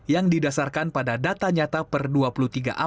yang didasarkan pada data nyata penyelidikan